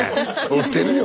酔ってるよ。